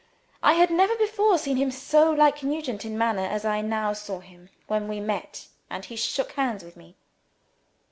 I had never before seen him so like Nugent in manner, as I now saw him when we met and he shook hands with me.